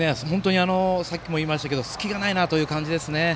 さっきも言いましたが隙がないという感じです。